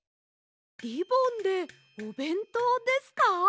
リボンでおべんとうですか？